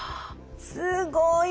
すごい。